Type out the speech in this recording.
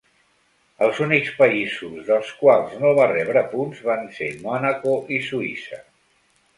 Els únics països dels quals no va rebre punts van ser Mònaco i Suïssa.